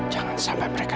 jangan sampai mereka